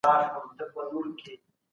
هغه څوک چي مځکه کري حاصل اخلي.